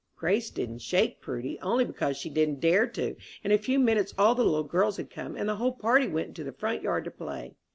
Grace didn't shake Prudy, only because she didn't dare to. In a few minutes all the little girls had come, and the whole party went into the front yard to play.